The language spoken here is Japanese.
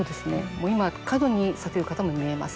今、過度に避ける方もみえます。